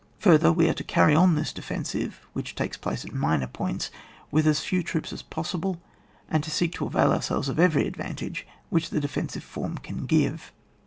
Further we are to carry on this defen sive, which takes place at minor points, with as few troops as possible, and to seek to avail ourselves of every advan tage which the defensive form can g^ve.